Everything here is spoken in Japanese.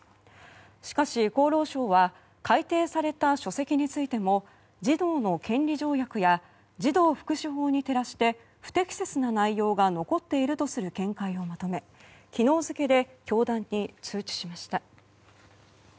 しかし、厚労省は改訂された書籍についても児童の権利条約や児童福祉法に照らして不適切な内容が残っているとする見解をまとめ昨日付で教団に通知しました。